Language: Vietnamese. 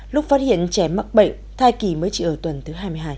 lúc phát hiện trẻ mắc bệnh thai kỳ mới chỉ ở tuần thứ hai mươi hai